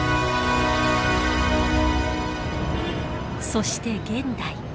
そして現代。